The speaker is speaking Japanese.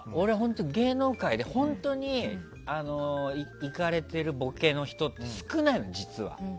芸能界で本当にイカれてるボケの人って少ないの、実は。